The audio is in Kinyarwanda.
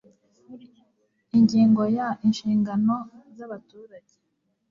Ingingo ya Inshingano z abaturage